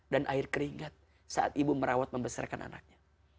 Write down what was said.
dan air keringat saat ibu merawat membesarkan anaknya